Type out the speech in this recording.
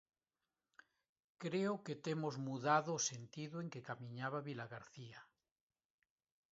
Creo que temos mudado o sentido en que camiñaba Vilagarcía.